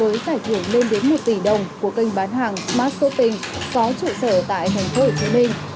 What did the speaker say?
với giải thưởng lên đến một tỷ đồng của kênh bán hàng marketoping có trụ sở tại thành phố hồ chí minh